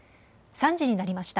３時になりました。